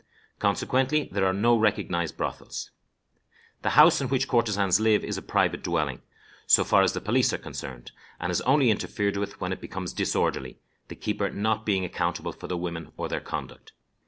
Consequently, there are no recognized brothels. The house in which courtesans live is a private dwelling, so far as the police are concerned, and is only interfered with when it becomes disorderly, the keeper not being accountable for the women or their conduct.